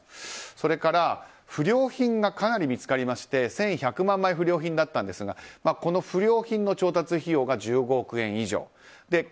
それから不良品がかなり見つかりまして１１００万枚不良品だったんですがこの不良品の調達費用が１５億円以上。